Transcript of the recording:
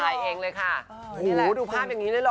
ถ่ายเองเลยค่ะโหดูภาพอย่างนี้ได้หรอ